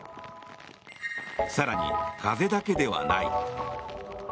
更に、風だけではない。